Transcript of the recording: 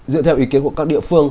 dựa theo ý kiến của các địa phương